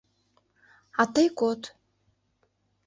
А тый код...